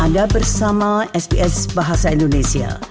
anda bersama sps bahasa indonesia